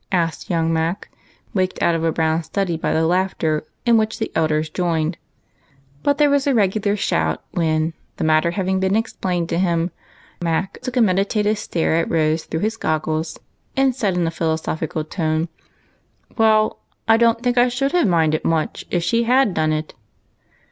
'asked young Mac, waked out of a brown study by the laughter, in which the elders joined. But there was a regular shout when, the matter ha\dng been explained to him, Mac took a medi tative stare at Rose through his goggles, and said in a philosophical tone, " Well, I don't think I should have minded much if she had done it."